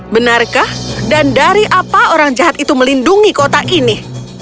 benarkah dan dari apa orang jahat itu melindungi kota ini